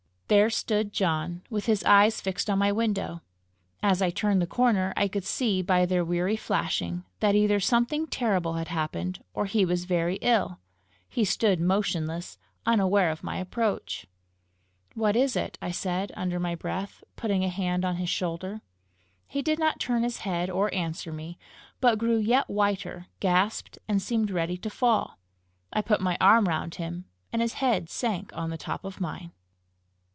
There stood John, with his eyes fixed on my window. As I turned the corner I could see, by their weary flashing, that either something terrible had happened, or he was very ill. He stood motionless, unaware of my approach. "What is it?" I said under my breath, putting a hand on his shoulder. He did not turn his head or answer me, but grew yet whiter, gasped, and seemed ready to fall. I put my arm round him, and his head sank on the top of mine.